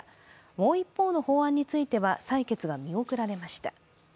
もう一方の法案については採決が見送られました。